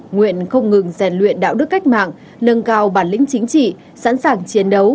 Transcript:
nguyện không ngừng rèn luyện đạo đức cách mạng nâng cao bản lĩnh chính trị sẵn sàng chiến đấu